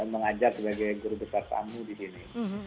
mengajak sebagai guru besar tamu di sini